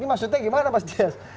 maksudnya gimana mas dias